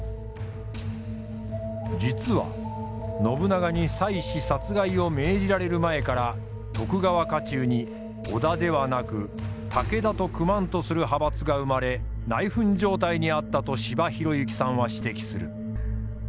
実は信長に妻子殺害を命じられる前から徳川家中に織田ではなく武田と組まんとする派閥が生まれ内紛状態にあったと柴裕之さんは指摘する。